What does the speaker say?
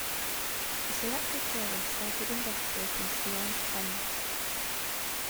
The selected jury started investigating Steorn's claims.